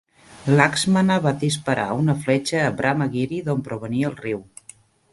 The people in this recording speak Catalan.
Lakshmana va disparar una fletxa a Brahmagiri, d'on provenia el riu.